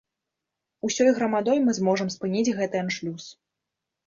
Усёй грамадой мы зможам спыніць гэты аншлюс.